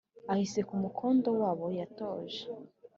Ahise ku mukondo w'abo yatoje